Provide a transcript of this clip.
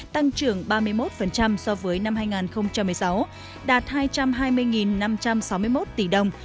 tăng trưởng ba mươi một so với năm hai nghìn một mươi sáu đạt hai trăm hai mươi năm trăm sáu mươi một tỷ đồng